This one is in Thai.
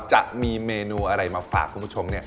จะมีเมนูอะไรมาฝากคุณผู้ชมเนี่ย